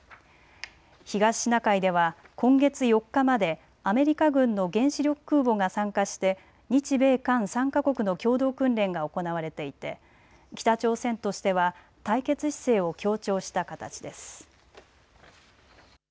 東シナ海では今月４日までアメリカ軍の原子力空母が参加して日米韓３か国の共同訓練が行われていて北朝鮮としては対決姿勢を強調した形です。